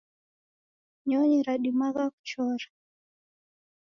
Nyonyi ridimagha kuchora.